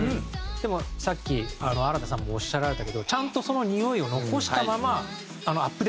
でもさっき新太さんもおっしゃられたけどちゃんとそのにおいを残したままアップデートしてますよね。